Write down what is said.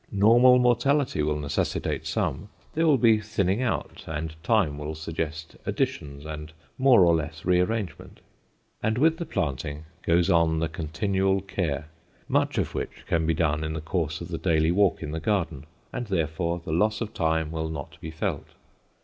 Normal mortality will necessitate some, there will be thinning out, and time will suggest additions and more or less rearrangement. And with the planting goes on the continual care, much of which can be done in the course of the daily walk in the garden, and therefore the loss of time will not be felt.